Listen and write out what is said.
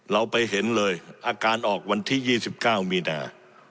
เราไปเห็นเลยอาการออกวันที่๒๙มีนา